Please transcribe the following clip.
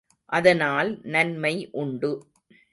அதனால் நன்மை உண்டு.